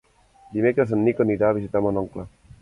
Dimecres en Nico anirà a visitar mon oncle.